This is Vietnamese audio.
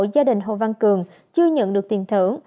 gia đình hồ văn cường chưa nhận được tiền thưởng